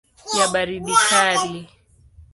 ya baridi kali.